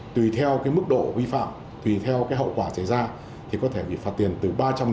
tùy theo cái mức độ vi phạm tùy theo cái hậu quả xảy ra thì có thể bị phạt tiền từ ba trăm linh